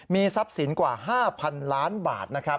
มีทรัพย์สินกว่า๕๐๐๐ล้านบาทนะครับ